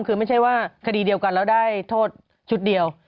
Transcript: คือไม่ใช่ว่าคดีเดียวกันแล้วได้โทษชุดเดียว